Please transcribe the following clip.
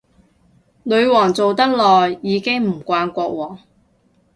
女皇做得耐，已經唔慣國王